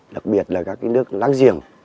đặc biệt là các nước láng giềng